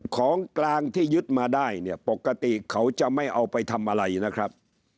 ของกลางที่ยึดมาได้เนี่ยปกติเขาจะไม่เอาไปทำอะไรนะครับ